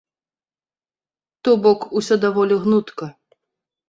То бок, усё даволі гнутка.